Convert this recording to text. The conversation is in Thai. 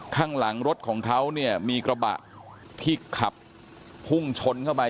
ข้างหลังรถของเขาเนี่ยมีกระบะที่ขับพุ่งชนเข้าไป